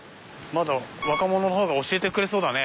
若者の方が教えてくれそうだね。